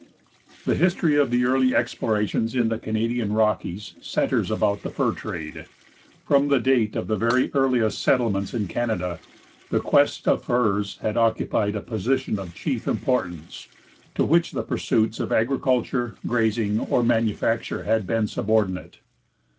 _ The history of the early explorations in the Canadian Rockies centres about the fur trade. From the date of the very earliest settlements in Canada, the quest of furs had occupied a position of chief importance, to which the pursuits of agriculture, grazing, or manufacture had been subordinate.